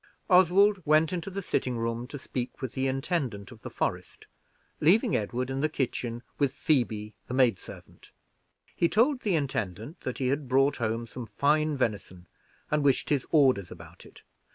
Oswald went into the sitting room to speak with the intendant of the forest, leaving Edward in the kitchen with Phoebe, the maid servant. He told the intendant that he had brought home some fine venison, and wished his orders about it.